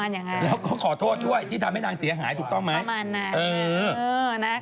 ถูกต้องไหมแล้วก็ขอโทษด้วยที่ทำให้นางเสียหายถูกต้องไหมประมาณนั้น